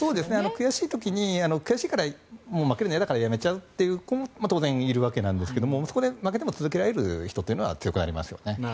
悔しい時に悔しいから負けるのが嫌だからやめちゃうって人も当然いるわけなんですけどそこで負けても続けられる人というのは強くなりますよね。